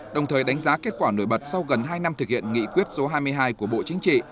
đồng thời đánh giá kết quả nổi bật sau gần hai năm thực hiện nghị quyết số hai mươi hai của bộ chính trị